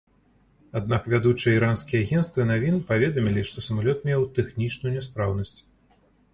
Аднак вядучыя іранскія агенцтвы навін паведамілі, што самалёт меў тэхнічную няспраўнасць.